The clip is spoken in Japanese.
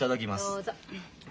どうぞ。